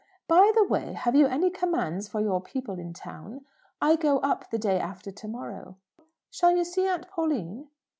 By the way, have you any commands for your people in town? I go up the day after to morrow." "Shall you see Aunt Pauline?"